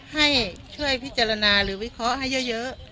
ให้ช่วยพิจารณาหรือวิเคราะห์ให้เยอะ